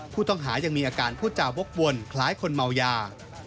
ผู้ต้องหายังมีอาการพูดจาวกวนคล้ายคนเมายา